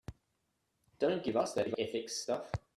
Don't give us that ethics stuff.